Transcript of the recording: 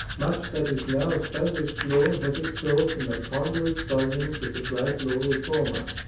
Much that is now established law has its source in the ponderous volumes of the great law reformer.